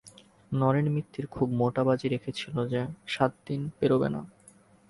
নরেন মিত্তির খুব মোটা বাজি রেখেছিল যে, সাত দিন পেরোবে না।